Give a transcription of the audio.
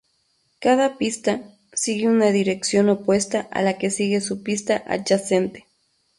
Cada pista, sigue una dirección opuesta a la que sigue su pista adyacente.